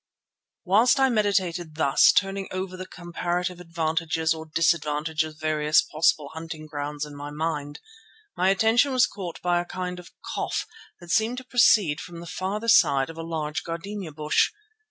Whilst I meditated thus, turning over the comparative advantages or disadvantages of various possible hunting grounds in my mind, my attention was caught by a kind of cough that seemed to proceed from the farther side of a large gardenia bush.